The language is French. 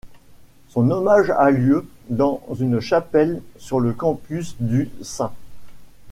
Son hommage a lieu dans une chapelle sur le campus du St.